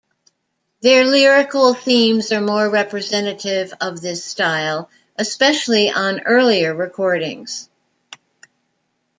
Their lyrical themes are more representative of this style, especially on earlier recordings.